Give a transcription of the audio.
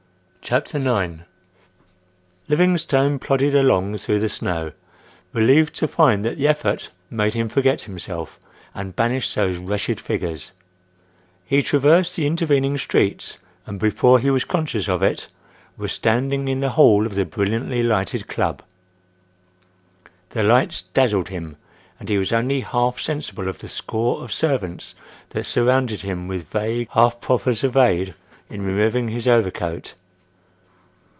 CHAPTER IX Livingstone plodded along through the snow, relieved to find that the effort made him forget himself and banished those wretched figures. He traversed the intervening streets and before he was conscious of it was standing in the hall of the brilliantly lighted club. The lights dazzled him, and he was only half sensible of the score of servants that surrounded him with vague, half proffers of aid in removing his overcoat.